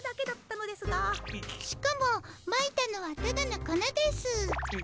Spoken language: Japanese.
しかもまいたのはただのこなです。